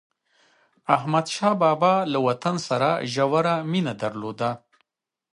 احمدشاه بابا له وطن سره ژوره مینه درلوده.